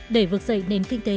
để vượt dậy nền kinh tế